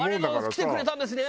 「来てくれたんですね！